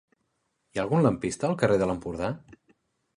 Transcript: Hi ha algun lampista al carrer de l'Empordà?